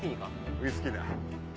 ウイスキーだ。